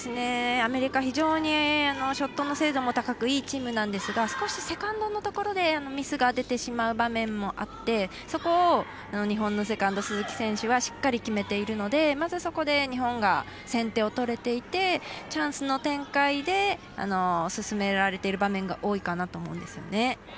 アメリカ、非常にショットの精度も高くいいチームなんですが少しセカンドのところでミスが出てしまう場面もあってそこを、日本のセカンド鈴木選手はしっかり決めているのでまずそこで日本が先手を取れていてチャンスの展開で進められている場面が多いかなと思うんですよね。